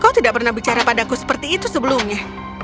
kau tidak pernah bicara padaku seperti itu sebelumnya